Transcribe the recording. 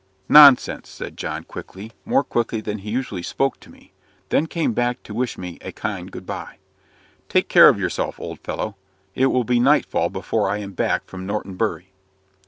"Nonsense," said John, quickly more quickly than he usually spoke to me; then came back to wish me a kind goodbye. "Take care of yourself, old fellow. It will be nightfall before I am back from Norton Bury."